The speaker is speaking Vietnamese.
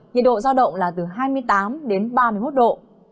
nhiệt độ giao động là từ hai mươi tám đến ba mươi một độ